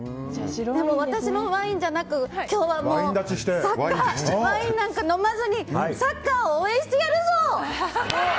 でも私もワインじゃなく今日はワインなんか飲まずにサッカーを応援してやるぞ！